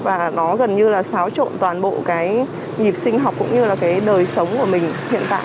và nó gần như là xáo trộn toàn bộ cái nhịp sinh học cũng như là cái đời sống của mình hiện tại